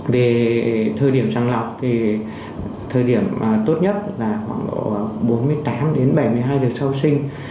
về thời điểm sàng lọc thì thời điểm tốt nhất là khoảng bốn mươi tám đến bảy mươi hai giờ sau sinh